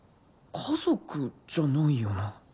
家族じゃないよな